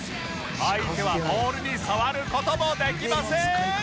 相手はボールに触る事もできません